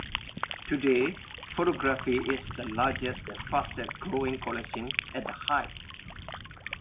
Today, photography is the largest and fastest growing collection at the High.